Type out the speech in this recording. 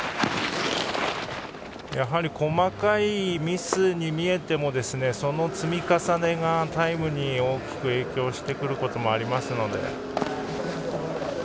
細かいミスに見えてもその積み重ねがタイムに大きく影響してくることもありますので。